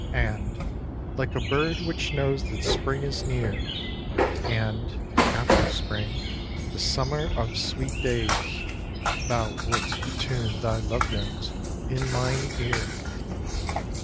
And, like a bird which knows that spring is near, And, after spring, the summer of sweet days, Thou wouldst attune thy love notes in mine ear.